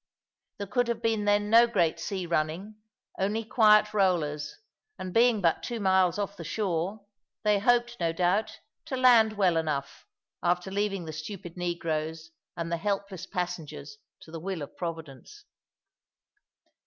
There could have been then no great sea running, only quiet rollers; and being but two miles off the shore, they hoped, no doubt, to land well enough, after leaving the stupid negroes and the helpless passengers to the will of Providence.